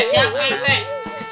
siap pak rt